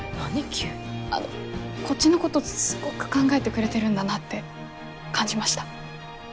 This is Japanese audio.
あのこっちのことすごく考えてくれてるんだなって感じました。